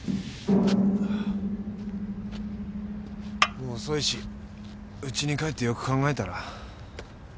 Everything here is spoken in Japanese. もう遅いしウチに帰ってよく考えたら？